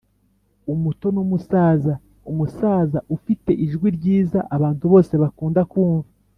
umuto n'umusaza: umusaza ufite ijwi ryiza abantu bose bakunda kumva